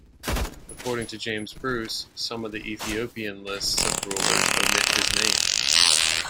According to James Bruce, some of the Ethiopian lists of rulers omit his name.